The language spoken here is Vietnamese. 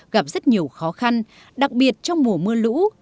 gặp rất nhiều khó khăn đặc biệt trong mùa mưa lũ